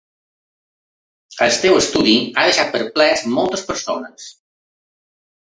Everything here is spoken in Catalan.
El teu estudi ha deixat perplex moltes persones.